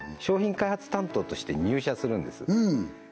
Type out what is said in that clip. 商品開発担当として入社するんです